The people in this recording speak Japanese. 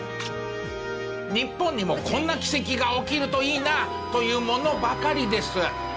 日本にもこんな奇跡が起きるといいなというものばかりです。